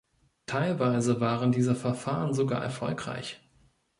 Teilweise waren diese Verfahren sogar erfolgreich.